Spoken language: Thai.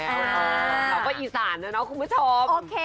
ดอบไปอีสานนะครับคุณผู้ชม